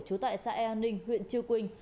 trú tại xã e an ninh huyện chư quynh